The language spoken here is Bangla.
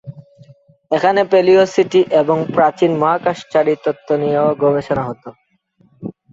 এখানে প্যালিও-সেটি এবং প্রাচীন মহাকাশচারী তত্ত্ব নিয়েও গবেষণা হতো।